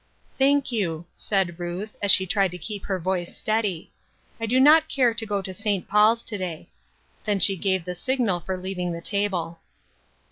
" Thank you," said Ruth, and she tried to keep her voice steady, " I do not care to go to St Paul's to day." Then she gave the signal for leaving the table.